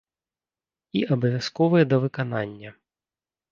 І абавязковыя да выканання!